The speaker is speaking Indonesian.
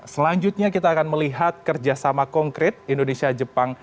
selanjutnya kita akan melihat kerjasama konkret indonesia jepang